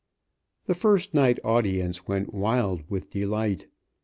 The first night audience went wild with delight.